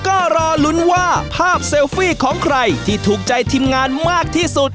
ก็รอลุ้นว่าภาพเซลฟี่ของใครที่ถูกใจทีมงานมากที่สุด